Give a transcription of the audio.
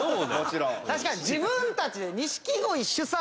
確かに自分たちで。